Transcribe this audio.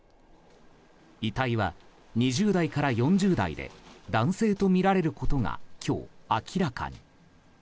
遺体は２０代から４０代で男性とみられることが今日、明らかに。